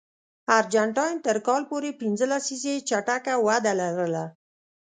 ارجنټاین تر کال پورې پنځه لسیزې چټکه وده لرله.